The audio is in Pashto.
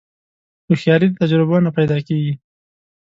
هوښیاري د تجربو نه پیدا کېږي.